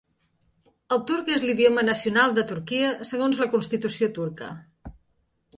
El turc és l'idioma nacional de Turquia segons la constitució turca.